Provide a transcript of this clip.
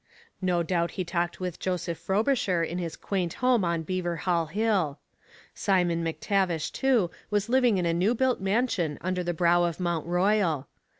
No doubt he talked with Joseph Frobisher in his quaint home on Beaver Hall Hill. Simon M'Tavish, too, was living in a new built mansion under the brow of Mount Royal.